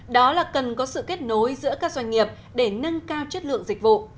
đó là cần có sự kết nối giữa các doanh nghiệp để nâng cao chất lượng dịch vụ